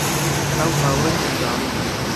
ئەو هاوڕێی منداڵیمە.